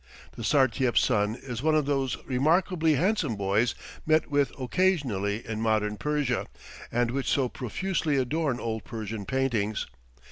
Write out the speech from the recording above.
The Sartiep's son is one of those remarkably handsome boys met with occasionally in modern Persia, and which so profusely adorn old Persian paintings.